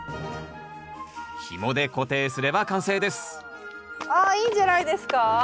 ひもで固定すれば完成ですああいいんじゃないですか？